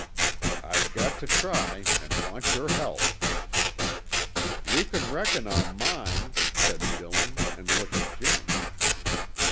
"I've got to try and want your help." "You can reckon on mine," said Dillon and looked at Jimmy.